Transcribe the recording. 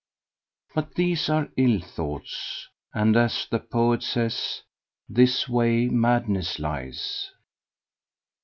But these are ill thoughts, and as the poet says "this way madness lies."